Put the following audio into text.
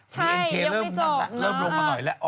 ใช่ยังไม่จบเริ่มเริ่มลงมาหน่อยแหละ